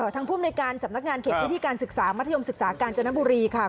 ทางผู้บริการสำนักงานเขตวิทยาศาสตร์มศจนบุรีค่ะ